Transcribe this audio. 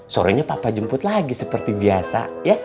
sorenya papa jemput lagi seperti biasa